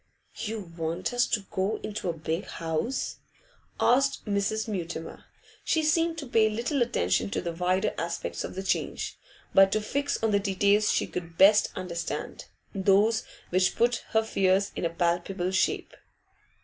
'You want us to go into a big house?' asked Mrs. Mutimer. She seemed to pay little attention to the wider aspects of the change, but to fix on the details she could best understand, those which put her fears in palpable shape.